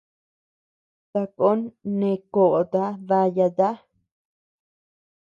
Takon neʼe koʼota dayata.